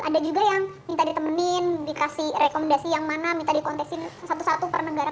ada juga yang minta ditemenin dikasih rekomendasi yang mana minta dikonteksi satu satu pernegara